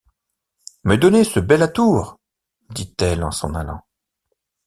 Me donner ce bel atour ! dit-elle en s’en allant.